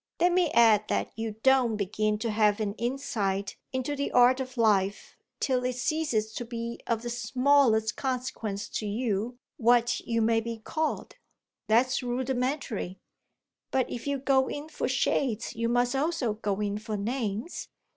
Let me add that you don't begin to have an insight into the art of life till it ceases to be of the smallest consequence to you what you may be called. That's rudimentary." "But if you go in for shades you must also go in for names.